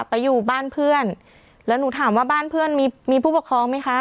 ไปอยู่บ้านเพื่อนแล้วหนูถามว่าบ้านเพื่อนมีมีผู้ปกครองไหมคะ